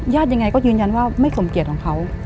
ยังไงก็ยืนยันว่าไม่สมเกียจของเขา